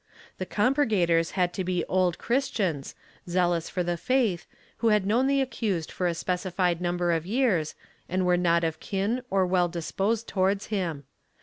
The compurgators had to be Old Christians, zealous for the faith, who had known the accused for a specified number of years, and were not of kin or well disposed towards him.